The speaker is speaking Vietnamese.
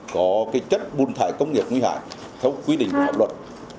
có cái chất bùn thải công nghiệp nguy hạn theo quy định của pháp luật